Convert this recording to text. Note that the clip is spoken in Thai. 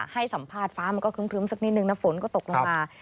ให้สัมภาษณ์ฟ้ามันก็ครึ้มสักนิดนึงนะฝนก็ตกลงมา